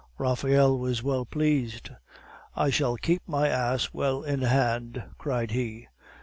Raphael was well pleased. "I shall keep my ass well in hand," cried he.